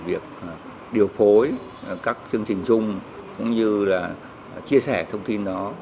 việc điều phối các chương trình chung cũng như chia sẻ thông tin